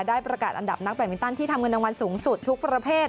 ได้ประกาศอันดับนักแบตมินตันที่ทำเงินรางวัลสูงสุดทุกประเภท